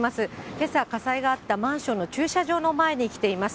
けさ、火災があったマンションの駐車場の前に来ています。